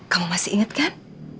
kamu masih inget kan